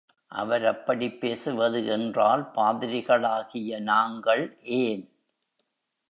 அவர் அப்படிப் பேசுவது என்றால் பாதிரிகளாகிய நாங்கள் ஏன்?